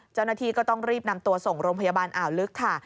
เจ้าหน้าที่ก็ต้องรีบนำตัวส่งโรงพยาบาลอ่าวลึกค่ะ